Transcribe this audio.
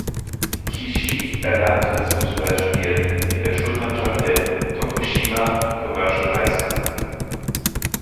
Kishi erlernte das Fußballspielen in der Schulmannschaft der "Tokushima Commercial High School".